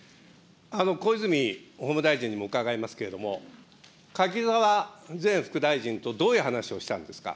小泉法務大臣にも伺いますけれども、柿沢前副大臣とどういう話をしたんですか。